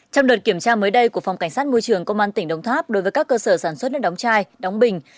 trong đợt kiểm tra mới đây của phòng cảnh sát môi trường công an tỉnh đồng tháp đối với các cơ sở sản xuất nước đóng chai đóng bình